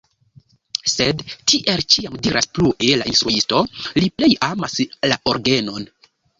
Sed, tiel ĉiam diras plue la instruisto, li plej amas la orgenon.